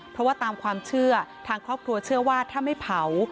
เพราะว่าตามความเชื่อทางครอบครัวเชื่อว่าถ้าไม่เผา